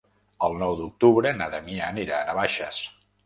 El nou d'octubre na Damià anirà a Navaixes.